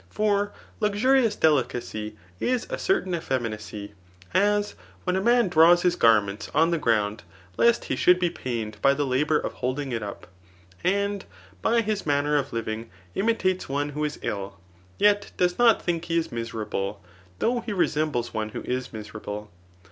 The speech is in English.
For luxurious delicacy is a certain effeminacy ; as when a man draws his garment on the ground lest he should be pain ed by the labour of holding it up ; and p^y his manner of living] imitates one who is ill, yet does not think he is miserable, though he resembles one who is miserable.